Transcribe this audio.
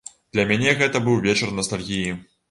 Для мяне гэта быў вечар настальгіі.